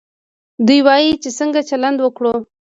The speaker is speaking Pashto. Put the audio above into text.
دوی وايي چې څنګه چلند وکړو.